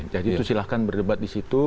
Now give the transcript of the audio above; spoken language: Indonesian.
jadi itu silahkan berdebat di situ